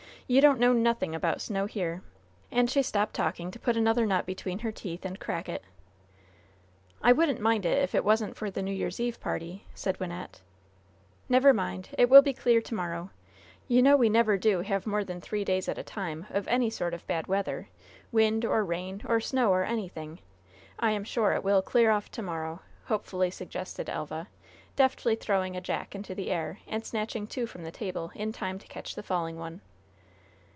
You don't know nothin' about snow here." And she stopped talking to put another nut between her teeth and crack it. "I wouldn't mind if it wasn't for the New Year's Eve party," said Wynnette. "Never mind, it will be clear to morrow. You know we never do have more than three days at a time of any sort of bad weather wind, or rain, or snow, or anything! I am sure it will clear off to morrow," hopefully suggested Elva, deftly throwing a "jack" into the air and snatching two from the table in time to catch the falling one.